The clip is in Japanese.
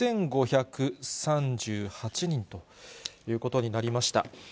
１万６５３８人ということになりました。